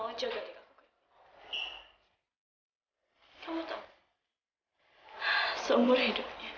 aku juga tidak mau mencari kesalahan